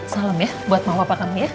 salam ya buat mama papa kami ya